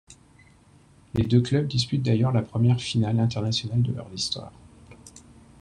Les deux clubs disputent d'ailleurs la première finale internationale de leur histoire.